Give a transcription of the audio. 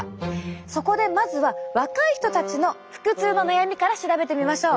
そこでまずは若い人たちの腹痛の悩みから調べてみましょう。